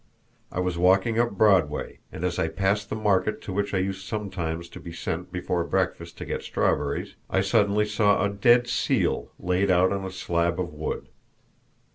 I was walking up Broadway, and as I passed the market to which I used sometimes to be sent before breakfast to get strawberries I suddenly saw a dead seal laid out on a slab of wood.